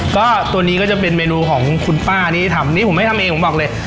ก็ตัวนี้ก็จะเป็นเมนูของคุณป้าที่ทำนี่ผมไม่ทำเองผมบอกเลย